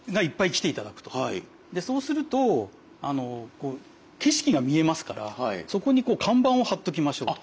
でそうすると景色が見えますからそこに看板を貼っときましょうと。